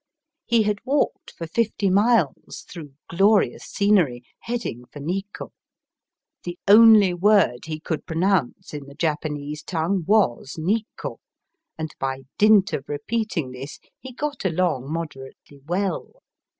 He had walked for fifty miles through glorious scenery, heading for Nikko The only word he could pronounce in the Japanese tongue was " Nikko," and by dint of repeating this he got along moderately well.